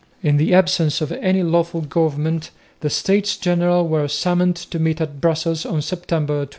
In the absence of any lawful government, the States General were summoned to meet at Brussels on September 22.